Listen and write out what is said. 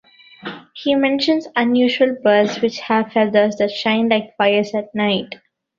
He mentions unusual birds, which have feathers that "shine like fires at night".